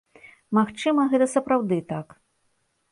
Магчыма, гэта сапраўды так.